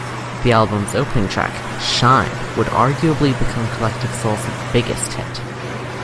The album's opening track, "Shine," would arguably become Collective Soul's biggest hit.